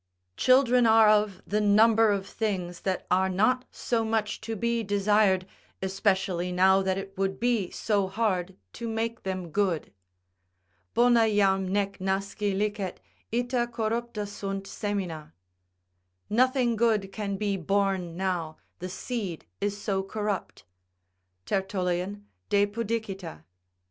Children are of the number of things that are not so much to be desired, especially now that it would be so hard to make them good: "Bona jam nec nasci licet, ita corrupta Bunt semina;" ["Nothing good can be born now, the seed is so corrupt." Tertullian, De Pudicita.